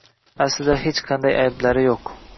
Aslida, hech qanday ayblari yoʻq...